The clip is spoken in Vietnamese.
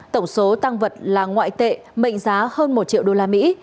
tổng số tăng vật là ngoại tệ mệnh giá hơn một triệu usd